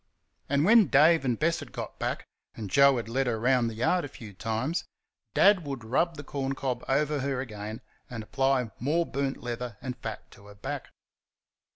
And when Dave and Bess had got back and Joe had led her round the yard a few times, Dad would rub the corn cob over her again and apply more burnt leather and fat to her back.